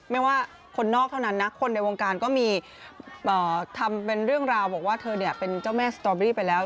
ไม่ว่าคนนอกเท่านั้นนะคนในวงการก็มีทำเป็นเรื่องราวบอกว่าเธอเป็นเจ้าแม่สตอเบอรี่ไปแล้ว